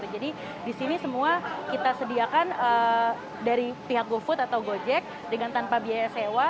jadi di sini semua kita sediakan dari pihak gofood atau gojek dengan tanpa biaya sewa